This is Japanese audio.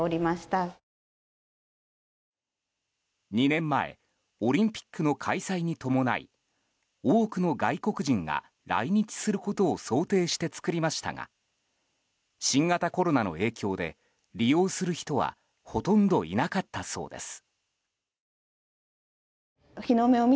２年前オリンピックの開催に伴い多くの外国人が来日することを想定して作りましたが新型コロナの影響で利用する人はほとんどいなかったそうです。